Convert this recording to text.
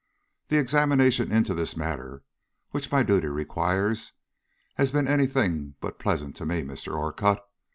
The examination into this matter, which my duty requires, has been any thing but pleasant to me, Mr. Orcutt.